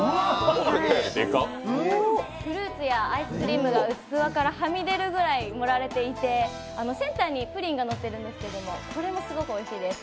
フルーツやアイスクリームが器からはみ出るぐらい盛られていてセンターにプリンがのっているんですけれども、これもすごいおいしいです。